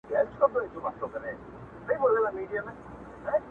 د طلا او جواهر حساب به کیږي -